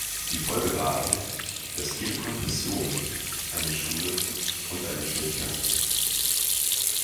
Die Folge waren, dass jede Konfession eine Schule und eine Kirche hatte.